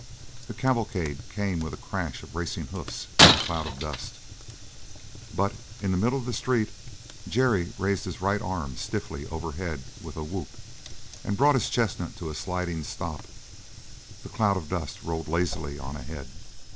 The cavalcade came with a crash of racing hoofs in a cloud of dust. But in the middle of the street Jerry raised his right arm stiffly overhead with a whoop and brought his chestnut to a sliding stop; the cloud of dust rolled lazily on ahead.